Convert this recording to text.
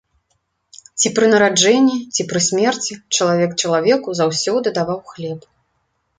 Ці пры нараджэнні, ці пры смерці чалавек чалавеку заўсёды даваў хлеб.